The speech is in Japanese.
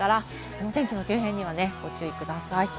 お天気の急変にご注意ください。